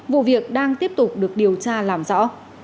vụ việc đang tiếp tục được điều tra làm rõ